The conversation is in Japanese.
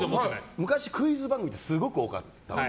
昔、クイズ番組ってすごく多かったわけ。